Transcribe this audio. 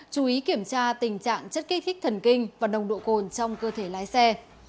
chú ý kiểm tra tình trạng chất kích thích thần kinh và nồng độ cồn trong cơ thể lái xe